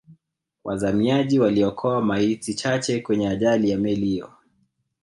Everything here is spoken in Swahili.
wazamiaji waliokoa maiti chache kwenye ajali ya meli hiyo